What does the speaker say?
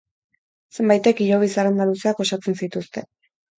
Zenbaitek hilobi zerrenda luzeak osatzen zituzten.